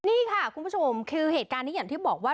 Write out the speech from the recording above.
นี่ค่ะคุณผู้ชมคือเหตุการณ์นี้อย่างที่บอกว่า